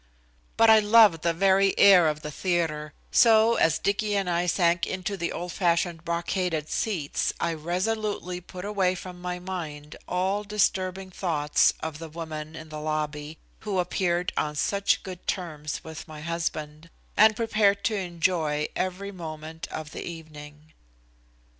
But I love the very air of the theatre, so as Dicky and I sank into the old fashioned brocaded seats I resolutely put away from my mind all disturbing thoughts of the woman in the lobby who appeared on such good terms with my husband, and prepared to enjoy every moment of the evening.